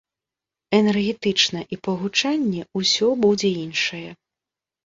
Энергетычна і па гучанні ўсё будзе іншае.